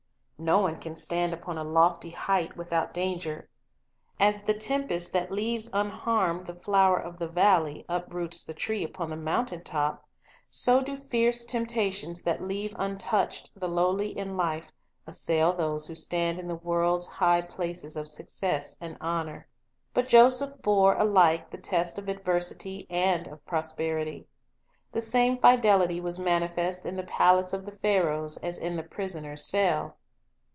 No one can stand upon a lofty height without danger. As the tempest that leaves unharmed the (50 Results of True Education Joseph 5 2 Illustrations Perils of Prosperity Joseph's Bar/v Years The Crisis flower of the valley uproots the tree upon the mountain top, so do fierce temptations that leave untouched the lowly in life assail those who stand in the world's high places of success and honor. But Joseph bore alike the test of adversity and of prosperity. . The same fidelity was manifest in the palace of the Pharaohs as in the prisoner's cell.